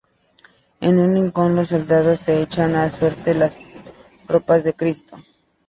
En un rincón, los soldados se echan a suerte las ropas de Cristo.